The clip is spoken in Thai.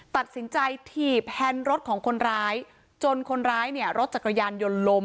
ตัดสินใจถีบแฮนด์รถของคนร้ายจนคนร้ายเนี่ยรถจักรยานยนต์ล้ม